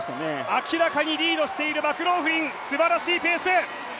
明らかにリードしているマクローフリンすばらしいペース！